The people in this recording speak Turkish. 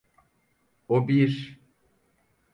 O bir…